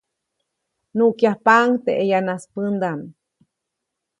Nuʼkyajpaʼuŋ teʼ ʼeyanaspändaʼm.